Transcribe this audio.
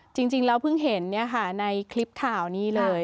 จริงแล้วเพิ่งเห็นในคลิปข่าวนี้เลย